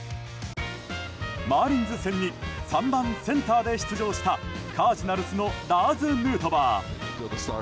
マーリンズ戦に３番センターで出場したカージナルスのラーズ・ヌートバー。